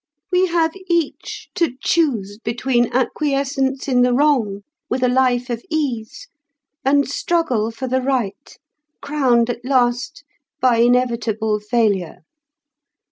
We have each to choose between acquiescence in the wrong, with a life of ease, and struggle for the right, crowned at last by inevitable failure.